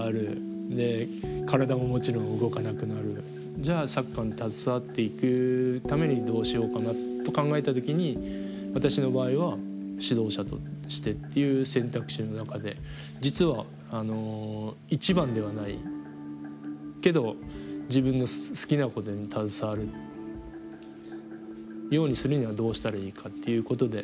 じゃあサッカーに携わっていくためにどうしようかなと考えた時に私の場合は指導者としてっていう選択肢の中で実は一番ではないけど自分の好きなことに携わるようにするにはどうしたらいいかっていうことで今こうやって自分がいると思います。